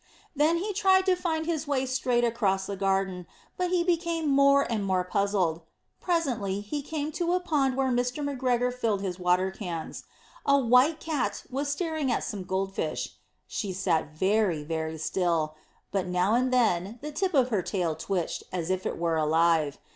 Then he tried to find his way straight across the garden, but he became more and more puzzled. Presently, he came to a pond where Mr. McGregor filled his water cans. A white Cat was staring at some Gold fish; she sat very, very still, but now and then the tip of her tail twitched as if it were alive.